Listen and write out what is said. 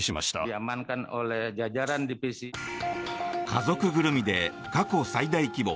家族ぐるみで過去最大規模